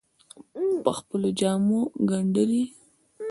پر خپلو جامو ګنډلې